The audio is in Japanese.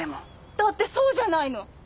だってそうじゃないの！